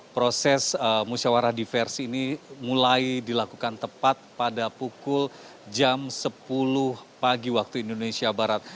proses musyawarah diversi ini mulai dilakukan tepat pada pukul jam sepuluh pagi waktu indonesia barat